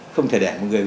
không thể để một người